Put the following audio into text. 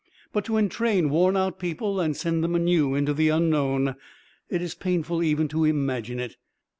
But to entrain worn out people and send them anew into the unknown, it is painful even to imagine it.